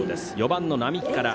４番の双木から。